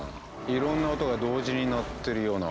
いろんな音が同時に鳴ってるような。